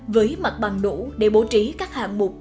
với mặt bằng đủ để bố trí các hạng mục